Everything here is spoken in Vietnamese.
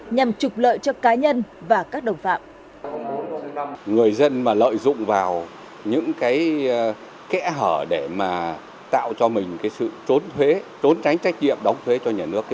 nhằm trục lợi cho cá nhân và các đồng phạm